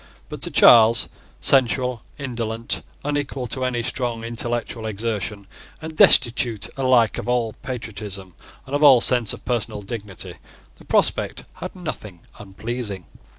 But to Charles, sensual, indolent, unequal to any strong intellectual exertion, and destitute alike of all patriotism and of all sense of personal dignity, the prospect had nothing unpleasing.